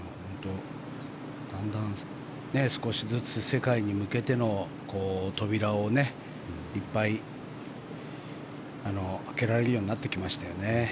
だんだん、少しずつ世界に向けての扉をいっぱい開けられるようになってきましたよね。